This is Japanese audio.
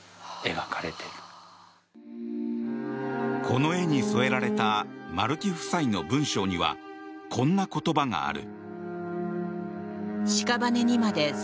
この絵に添えられた丸木夫妻の文章にはこんな言葉がある。